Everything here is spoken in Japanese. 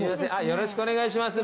よろしくお願いします。